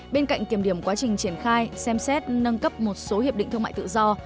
bên cạnh kiểm điểm quá trình triển khai xem xét nâng cấp một số hiệp định thương mại tự do